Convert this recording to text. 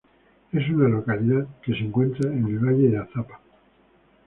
Es una localidad que se encuentra en el valle de Azapa.